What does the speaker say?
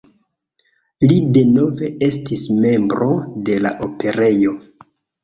Li denove estis membro de la Operejo.